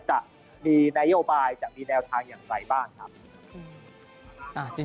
จะมีนโยบายจะมีแนวทางอย่างไรบ้างครับ